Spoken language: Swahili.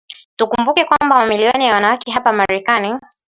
tukumbuke kwamba mamilioni ya wanawake hapa Marekani